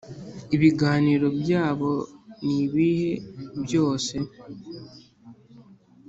ibiganiro byabo ni ibihe byose,